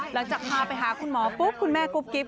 หลังจากพาไปหาคุณหมอปุ๊บคุณแม่กุ๊บกิ๊บ